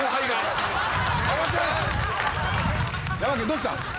どうした？